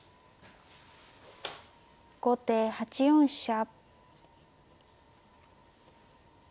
後手８四飛車。